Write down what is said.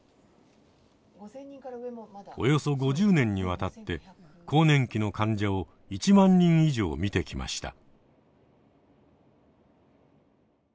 およそ５０年にわたって更年期の患者を１万人以上診てきました。